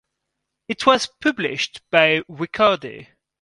It was published by Ricordi.